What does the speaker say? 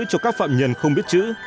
cho các phạm nhân không biết chữ